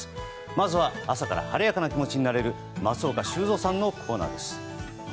まずは、朝から晴れやかな気持ちになれる松岡修造さんのコーナーです。